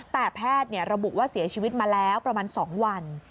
แต่แพทย์ระบุว่าเสียชีวิตมาแล้วประมาณ๒วัน